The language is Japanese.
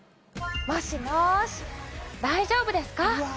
もしもーし大丈夫ですか？